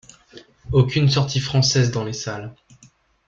Aucune sortie française dans les salles.